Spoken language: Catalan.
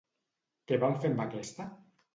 Què va fer amb aquesta?